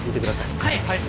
はい！